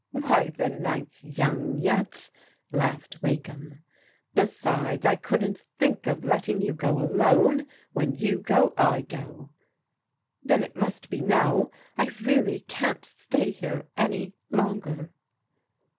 "WTiy, the night's young yet," laughed Wakehant •• Besides, I couldn't think of letting you go alone When you go, I go." " Then it must be now. I reaUy can't stay here any longer."